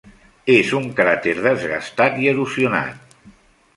És un cràter desgastat i erosionat.